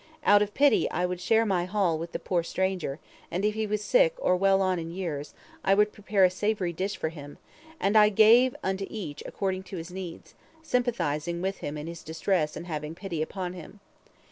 Out of pity I would share my haul with the poor stranger, and if he was sick or well on in years, I would prepare a savory dish for him, and I gave unto each according to his needs, sympathizing with him in his distress and having pity upon him.